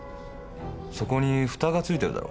そこに蓋が付いてるだろ？